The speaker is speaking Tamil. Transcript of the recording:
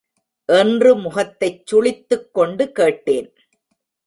என்று முகத்தைச் சுளித்துக் கொண்டு கேட்டேன்.